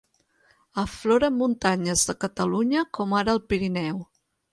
Aflora en muntanyes de Catalunya com ara el Pirineu.